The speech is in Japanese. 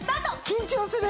緊張する。